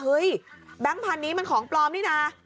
แบงค์พันธุ์นี้มันของปลอมนี่นะ